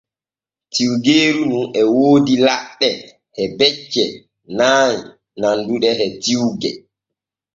Tiwgeeru nu e woodi laɗɗe e becce nay nanduɗe e tiwge.